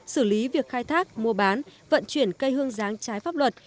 xử lý việc khai thác mua bán vận chuyển cây hương giáng trái pháp luật